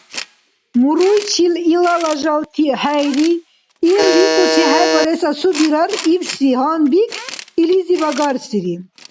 Муруйчил илала жалти хӀейри, ил викӀуси хӀебарес асубирар ибси гьанбик илизиб агарсири.